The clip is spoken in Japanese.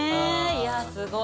いやすごい！